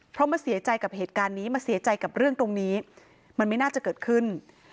เพราะมาเสียใจกับเหตุการณ์นี้มาเสียใจกับเรื่องตรงนี้มันไม่น่าจะเกิดขึ้น